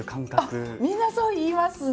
あっみんなそう言いますね。